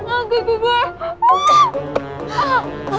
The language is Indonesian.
ah kuku gua